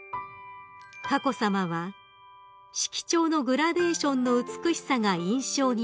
［佳子さまは「色調のグラデーションの美しさが印象に残りました」